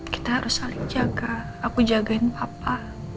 kita harus saling jaga aku jagain apa